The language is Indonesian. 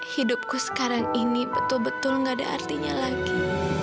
hidupku sekarang ini betul betul gak ada artinya lagi